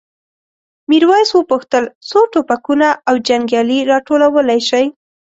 میرويس وپوښتل څو ټوپکونه او جنګیالي راټولولی شئ؟